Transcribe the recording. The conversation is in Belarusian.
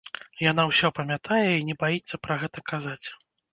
Яна ўсё памятае і не баіцца пра гэта казаць.